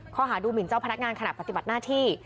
ข้อหาดูหมินเจ้าพนักงานขณะปฏิบัติหน้าที่